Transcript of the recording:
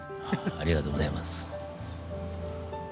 ありがとうございます。